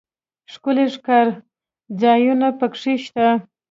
ښکلي ښکارځایونه پکښې شته.